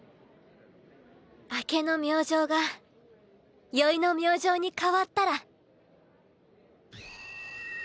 明けの明星が宵の明星に変わったら。